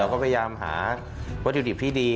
ก็พยายามหาวัตถุดิบที่ดี